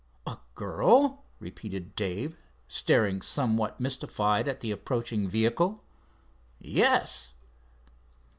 "A girl?" repeated Dave, staring somewhat mystified at the approaching vehicle. "Yes."